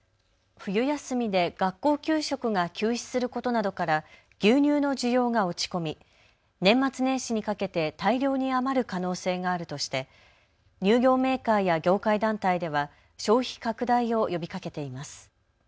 冬休みで学校給食が休止することなどから牛乳の需要が落ち込み年末年始にかけて大量に余る可能性があるとして乳業メーカーや業界団体では消費拡大を呼びかけています。